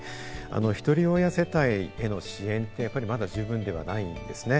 １人親世帯への支援ってやっぱりまだ十分ではないんですね。